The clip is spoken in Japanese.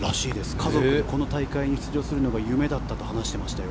家族でこの大会に出場するのが夢だったと話していましたよ。